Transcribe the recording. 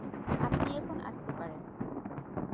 আপনি এখন আসতে পারেন।